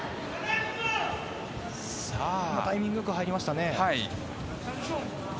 タイミングよく入りましたね。